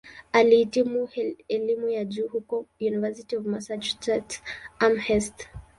Alihitimu elimu ya juu huko "University of Massachusetts-Amherst".